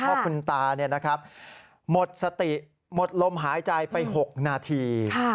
เพราะคุณตาหมดสติหมดลมหายใจไป๖นาที